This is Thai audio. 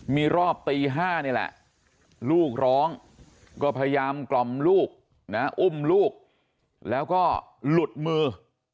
มีรอบตี๕นี่แหละลูกร้องก็พยายามกล่อมลูกนะอุ้มลูกแล้วก็หลุดมือ